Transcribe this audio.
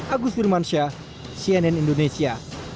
agus wirmansyah cnn indonesia